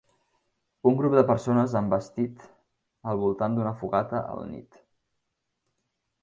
Un grup de persones en vestit al voltant d'una fogata a la nit.